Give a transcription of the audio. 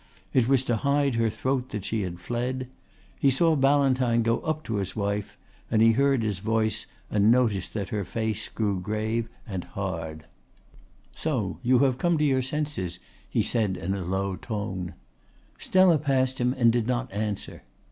It was to hide her throat that she had fled. He saw Ballantyne go up to his wife, he heard his voice and noticed that her face grew grave and hard. "So you have come to your senses," he said in a low tone. Stella passed him and did not answer.